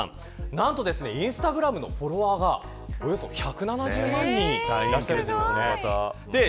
なんとインスタグラムのフォロワーがおよそ１７０万人いらっしゃるということです。